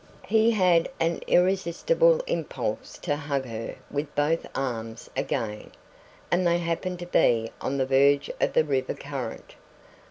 He had an irresistible impulse to hug her with both arms again, and they happened to be on the verge of the river current.